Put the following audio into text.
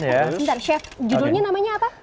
sebentar chef judulnya namanya apa